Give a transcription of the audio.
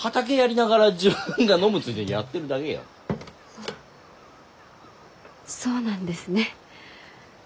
あそうなんですね。